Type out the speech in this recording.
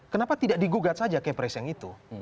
kenapa tidak digugat saja kepres yang itu